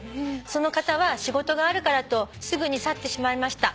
「その方は仕事があるからとすぐに去ってしまいました」